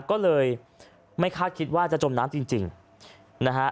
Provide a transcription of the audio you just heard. ก็เลยไม่คาดคิดว่าจะจมน้ำจริงนะฮะ